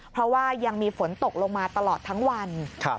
เพราะว่ายังมีฝนตกลงมาตลอดทั้งวัน